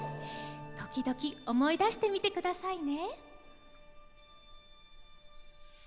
時々思い出してみてくださいね。